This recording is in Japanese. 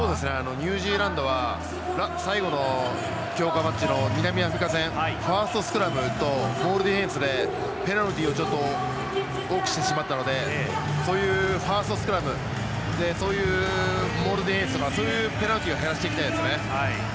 ニュージーランドは最後の強化マッチの南アフリカ戦ファーストスクラムとモールディフェンスでペナルティーを多くしてしまったのでそういうファーストスクラムでそういうペナルティーを減らしていきたいですね。